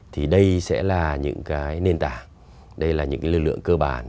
thì đây sẽ là những cái nền tảng đây là những cái lực lượng cơ bản